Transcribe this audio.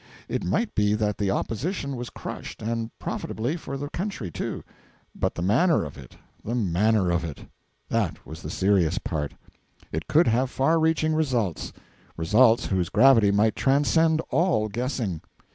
It might be that the Opposition was crushed, and profitably for the country, too; but the manner of it the manner of it! That was the serious part. It could have far reaching results; results whose gravity might transcend all guessing.